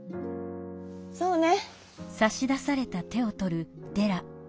「そうね」。